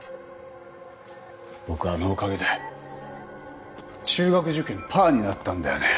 僕あのおかげで中学受験パーになったんだよね。